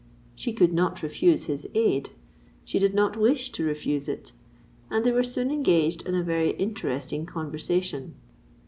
She could not refuse his aid—she did not wish to refuse it; and they were soon engaged in a very interesting conversation.